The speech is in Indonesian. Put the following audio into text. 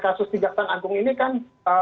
kasus kejaksaan agung ini kan